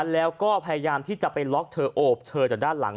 แล้วก็พยายามที่จะไปล็อกเธอโอบเธอจากด้านหลัง